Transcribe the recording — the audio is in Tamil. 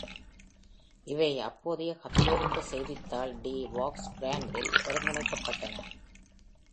இவை அப்போதைய கத்தோலிக்க செய்தித்தாள் டி வோல்க்ஸ்கிராண்டில் ஒருங்கிணைக்கப்பட்டன.